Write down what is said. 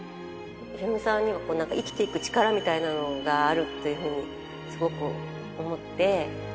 ヒロミさんにはなんか生きていく力みたいなのがあるっていうふうにすごく思って。